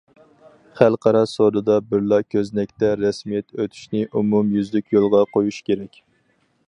خەلقئارا سودىدا بىرلا كۆزنەكتە رەسمىيەت ئۆتەشنى ئومۇميۈزلۈك يولغا قويۇش كېرەك.